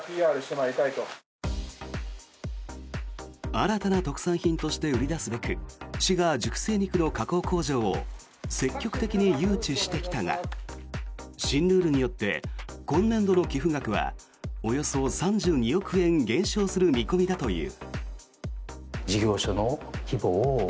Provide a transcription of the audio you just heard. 新たな特産品として売り出すべく市が熟成肉の加工工場を積極的に誘致してきたが新ルールによって今年度の寄付額はおよそ３２億円減少する見込みだという。